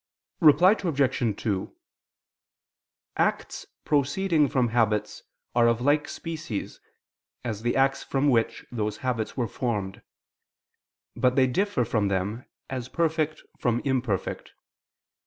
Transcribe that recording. Reply Obj. 2: Acts proceeding from habits are of like species as the acts from which those habits were formed: but they differ from them as perfect from imperfect.